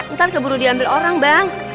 ntar keburu diambil orang bang